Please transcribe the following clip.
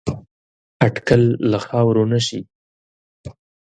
اټکل له خاورو نه شي